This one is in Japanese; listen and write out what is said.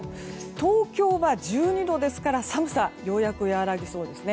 東京は１２度ですから寒さ、ようやく和らぎそうです。